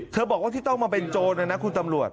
บอกว่าที่ต้องมาเป็นโจรนะนะคุณตำรวจ